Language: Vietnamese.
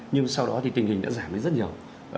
nhưng sau đó thì tình hình đã giảm đi rất nhiều